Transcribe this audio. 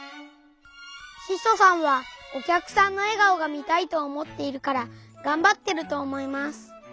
ししょさんはおきゃくさんのえがおが見たいと思っているからがんばってると思います。